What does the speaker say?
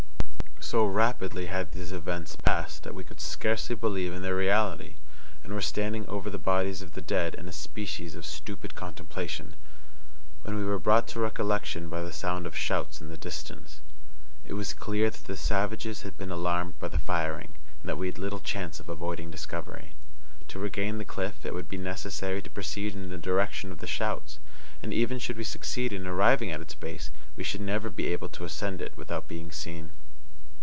So rapidly had these events passed, that we could scarcely believe in their reality, and were standing over the bodies of the dead in a species of stupid contemplation, when we were brought to recollection by the sound of shouts in the distance. It was clear that the savages had been alarmed by the firing, and that we had little chance of avoiding discovery. To regain the cliff, it would be necessary to proceed in the direction of the shouts, and even should we succeed in arriving at its base, we should never be able to ascend it without being seen.